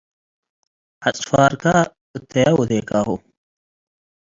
“ዐጽፋርካ እተያ ወዴካሁ